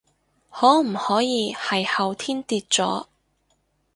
可唔可以係後天跌咗？